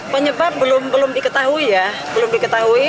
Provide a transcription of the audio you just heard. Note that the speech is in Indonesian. penyebab belum diketahui ya belum diketahui